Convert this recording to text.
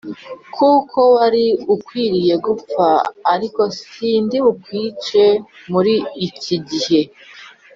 kuko wari ukwiriye gupfa ariko sindi bukwice muri iki gihe